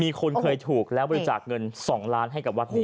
มีคนเคยถูกแล้วบริจักษ์เงินที่สองล้านให้กับว่านี่